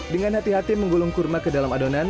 dengan hati hati menggulung kurma ke dalam adonan